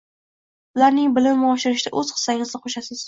Ularning bilimini oshirishda o‘z hissangizni qo‘shasiz.